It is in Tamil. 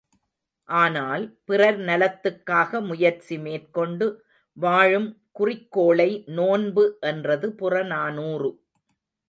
ஆனால், பிறர் நலத்துக்காக முயற்சி மேற்கொண்டு வாழும் குறிக்கோளை நோன்பு என்றது புறநானூறு.